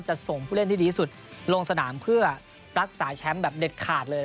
ส่งผู้เล่นที่ดีที่สุดลงสนามเพื่อรักษาแชมป์แบบเด็ดขาดเลย